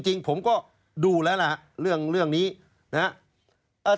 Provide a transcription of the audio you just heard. จริงผมก็ดูแล้วล่ะเรื่องนี้นะครับ